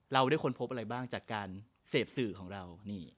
เราได้ค้นพบอะไรบ้างจากการเสพสื่อของเรา